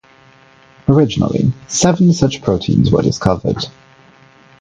Originally, seven such proteins were discovered.